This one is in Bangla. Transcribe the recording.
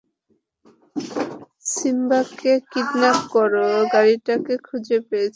সিম্বাকে কিডন্যাপ করা গাড়িটাকে খুঁজে পেয়েছি।